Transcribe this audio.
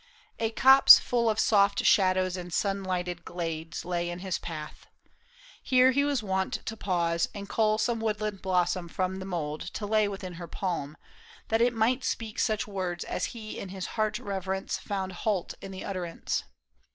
A copse Full of soft shadows and sun lighted glades Lay in his path. Here he was wont to pause And cull some woodland blossom from the mould To lay within her palm, that it might speak Such words as he in his heart reverence found Halt in the utterance.